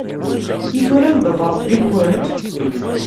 I tura anda-t Ṛebbi-nkent?